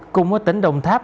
cùng với tỉnh đồng tháp